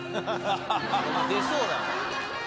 出そうだよ。